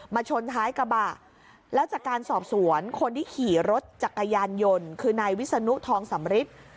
ชนท้ายกระบะแล้วจากการสอบสวนคนที่ขี่รถจักรยานยนต์คือนายวิศนุทองสำริท